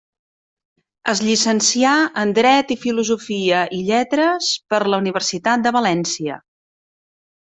Es llicencià en dret i filosofia i lletres per la Universitat de València.